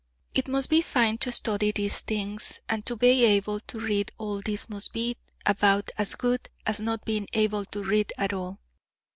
It must be fine to study these things, and to be able to read all this must be about as good as not being able to read at all.